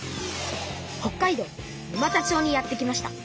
北海道沼田町にやって来ました。